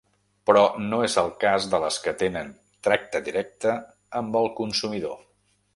Però no és el cas de les que tenen tracte directe amb el consumidor.